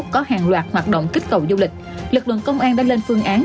có hàng loạt hoạt động kích cầu du lịch lực lượng công an đã lên phương án